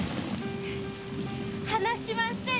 離しません！